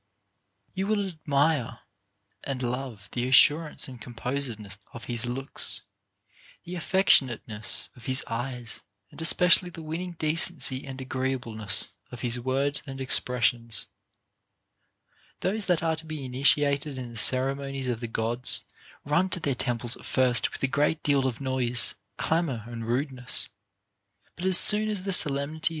You would admire and love the assurance and compos edness of his looks, the affectionateness of his eyes, and especially the winning decency and agreeableness of his words and expressions. Those that are to be initiated in the ceremonies of the Gods run to their temples at first with a great deal of noise, clamor, and rudeness ; but as soon as the solemnity * Odyss. XVI. 187.